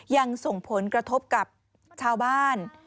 ยังส่งผลกระทบกับชาวบ้าน